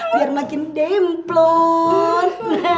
biar makin demplong